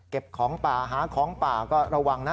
ของป่าหาของป่าก็ระวังนะ